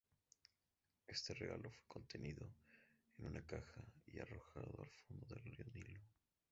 Este regalo fue contenido en una caja y arrojado al fondo del río Nilo.